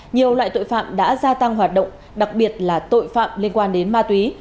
nhiều loại tội phạm đã gia tăng hoạt động đặc biệt là tội phạm liên quan đến ma túy